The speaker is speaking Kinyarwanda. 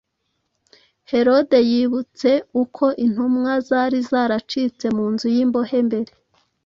Herode yibutse uko intumwa zari zaracitse mu nzu y’imbohe mbere,